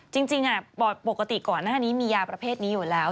จริงปกติก่อนหน้านี้มียาประเภทนี้อยู่แล้ว